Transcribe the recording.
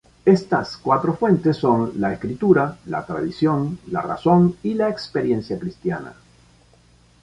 Estas cuatro fuentes son la escritura, la tradición, la razón y la experiencia cristiana.